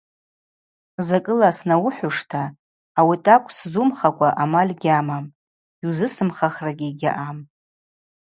Закӏыла снауыхӏвуштӏта ауи атӏакӏв сзумхакӏва амаль гьамам, йузысымхахрагьи гьаъам.